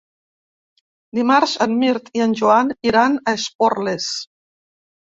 Dimarts en Mirt i en Joan iran a Esporles.